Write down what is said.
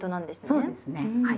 そうですねはい。